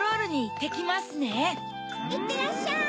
いってらっしゃい！